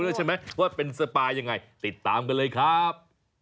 ด้วยใช่ไหมว่าเป็นสปายังไงติดตามกันเลยครับ